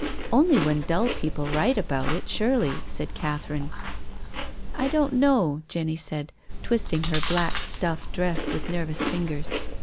" Only when dull people write about it, surely," said Catherine. " I don't know," Jenny said, twisting her black stuff dress with nervous fingers.